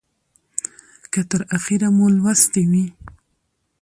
که تر اخیره مو لوستې وي